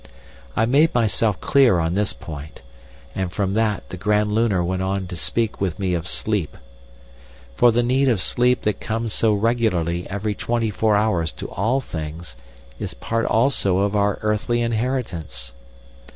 I made myself clear on this point, and from that the Grand Lunar went on to speak with me of sleep. For the need of sleep that comes so regularly every twenty four hours to all things is part also of our earthly inheritance.